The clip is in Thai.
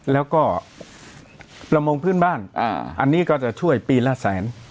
แล้วก็ประมงพื้นบ้านอันนี้ก็จะช่วยปีละแสน